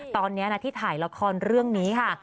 ตอนนี้นะที่ถ่ายละครเรื่องนี้ค่ะ